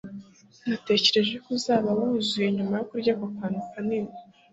natekereje ko uzaba wuzuye nyuma yo kurya ako kantu kanini